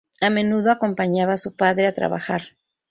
A menudo acompañaba a su padre a trabajar.